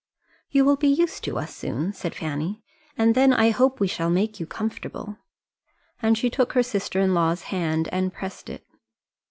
"You will be used to us soon," said Fanny, "and then I hope we shall make you comfortable." And she took her sister in law's hand and pressed it.